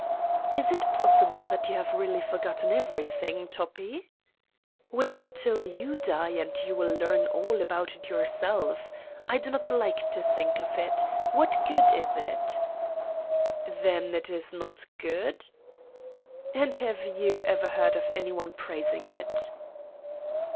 "Is it possible that you have really forgotten everything, Toppi I" "Wait till you die and you will learn all about it yourself. I do not like to think of it. What good is it?" "Then it is not good?" "And have you ever heard of any one praising it?"